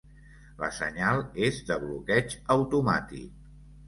La senyal és de bloqueig automàtic.